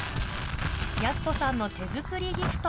やす子さんの手作りギフト